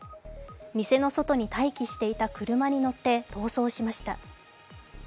店の外に待機していた車に乗って逃走しました。